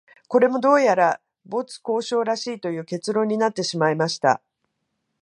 これも、どうやら没交渉らしいという結論になってしまいました